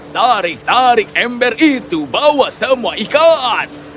tarik tarik ember itu bawa semua ikan